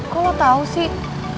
kok lo tau sih